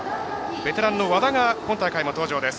ベテランの和田が今大会も登場です。